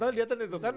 gak tau gitu kan